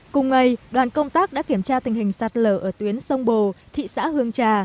cùng ngày đoàn công tác đã kiểm tra tình hình sạt lở ở tuyến sông bồ thị xã hương trà